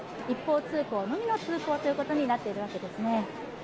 一方通行のみの通行となっているわけですね。